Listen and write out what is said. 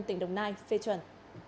tỉnh đồng nai phê chuẩn